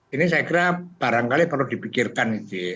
ini saya kira barangkali perlu dipikirkan gitu ya